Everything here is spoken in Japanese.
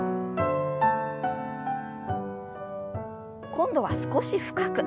今度は少し深く。